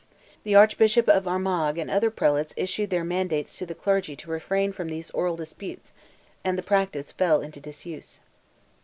The Archbishop of Armagh and other prelates issued their mandates to the clergy to refrain from these oral disputes, and the practice fell into disuse.